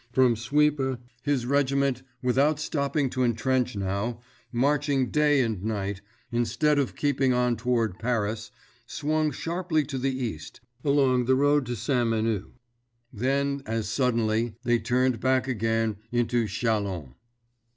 From Suippes his regiment, without stopping to entrench now, marching day and night, instead of keeping on toward Paris, swung sharply to the east, along the road to Ste. Menehould. Then, as suddenly, they turned back again into Châlons.